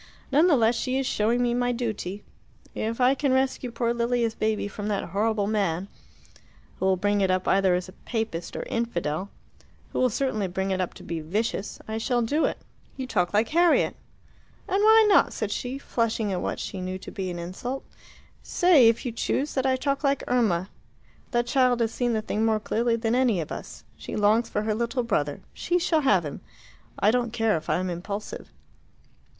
None the less she is showing me my duty. If I can rescue poor Lilia's baby from that horrible man, who will bring it up either as Papist or infidel who will certainly bring it up to be vicious I shall do it." "You talk like Harriet." "And why not?" said she, flushing at what she knew to be an insult. "Say, if you choose, that I talk like Irma. That child has seen the thing more clearly than any of us. She longs for her little brother. She shall have him. I don't care if I am impulsive."